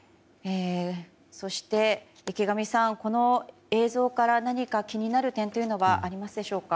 そして、池上さんこの映像から何か気になる点というのはありますでしょうか。